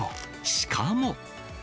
しかも。